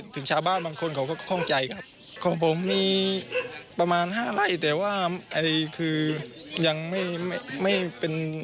ถึงชาวบ้านบางคนเขาก็คล่องใจครับของผมมีประมาณห้าไร่แต่ว่าคือยังไม่ไม่เป็น